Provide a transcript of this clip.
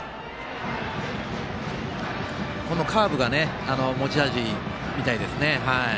カーブが持ち味みたいですね。